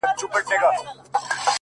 لوړ دی ورگورمه! تر ټولو غرو پامير ښه دی!